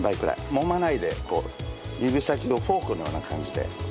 もまないで指先をフォークのような感じで。